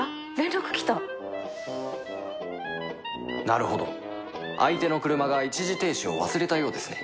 なるほど相手の車が一時停止を忘れたようですね